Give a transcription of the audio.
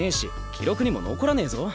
記録にも残らねえぞ！